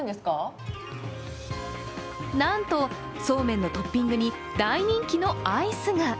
なんとそうめんのトッピングに大人気のアイスが。